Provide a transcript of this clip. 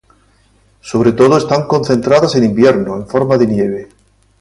Sobre todo están concentradas en invierno, en forma de nieve.